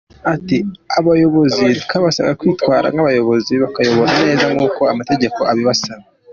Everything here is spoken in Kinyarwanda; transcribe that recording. Ati “Abayobozi twabasaba kwitwara nk’abayobozi, bakayobora neza nk’uko amategeko abibasaba.